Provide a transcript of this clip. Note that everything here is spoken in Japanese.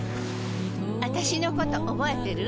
あたしのこと覚えてる？